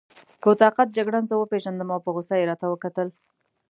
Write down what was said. کوتاه قد جګړن زه وپېژندم او په غوسه يې راته وکتل.